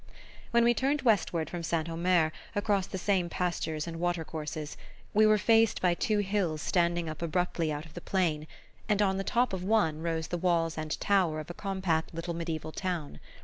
When we turned westward from St. Omer, across the same pastures and watercourses, we were faced by two hills standing up abruptly out of the plain; and on the top of one rose the walls and towers of a compact little mediaeval town.